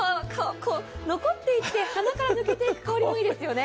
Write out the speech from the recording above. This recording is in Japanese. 残っていって、鼻から抜ける香りもいいですよね。